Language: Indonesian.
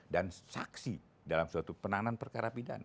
dan saksi dalam suatu penanganan perkara pidana